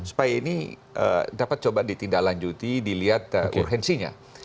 supaya ini dapat coba ditindaklanjuti dilihat urgensinya